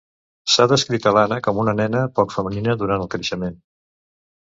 S'ha descrit Alana com una nena poc femenina durant el creixement.